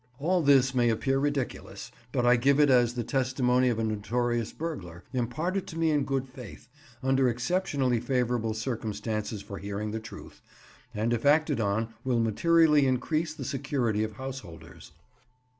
All this may appear ridiculous, but I give it as the testimony of a notorious burglar, imparted to me in good faith, under exceptionally favourable circumstances for hearing the truth, and if acted on will materially increase the security of householders.